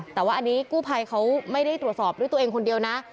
แต่ว่าอันนี้กู้ภัยเขาไม่ได้ตรวจสอบด้วยตัวเองคนเดียวนะ